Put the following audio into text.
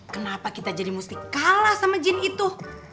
kenapa kita jadi mesti kalah sama jin itu